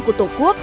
của tổ quốc